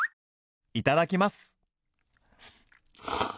いただきます！